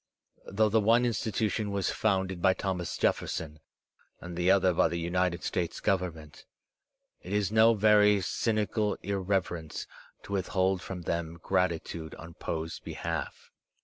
Though the one institution was founded by Thomas Jef ferson and the other by the United States Government, it Is no very cynical irreverence to withhold from them gratitude on Foe's behalf.